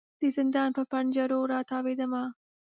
د زندان پر پنجرو را تاویدمه